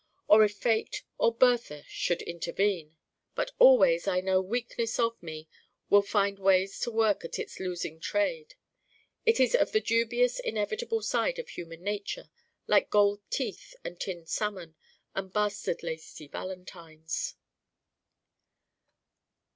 Or if fate or Bertha should intervene. But always I know Weakness of me will find ways to work at its losing trade. It is of the dubious inevitable side of human nature like gold teeth and tinned salmon and bastard lacy valentines.